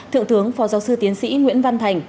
thượng tướng phó giáo sư tiến sĩ nguyễn văn thành